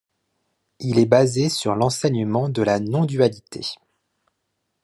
Il est basé sur l'enseignement de la non-dualité.